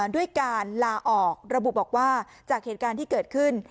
ด้วยการลาออกระบุบอกว่าจากเหตุการณ์ที่เกิดขึ้น